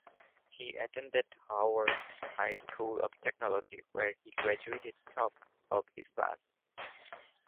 He attended Howard High School of Technology where he graduated top of his class.